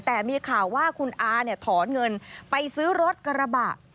แต่มีข่าวว่าคุณอาเนี่ยถอนเงินไปซื้อรถกระบะ